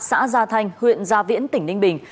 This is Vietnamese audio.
ở xóm ba xã gia thanh huyện gia viễn tỉnh ninh bình